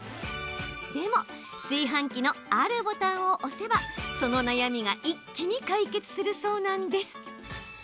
でも炊飯器のあるボタンを押せばその悩みが一気に解決するんだそうです。